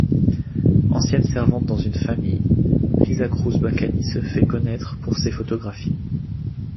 Ancienne servante dans une famille, Xyza Cruz Bacani se fait connaître pour ses photographies.